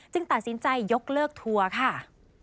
ตัดสินใจยกเลิกทัวร์ค่ะ